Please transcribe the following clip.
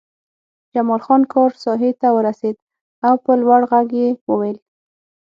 جمال خان کار ساحې ته ورسېد او په لوړ غږ یې وویل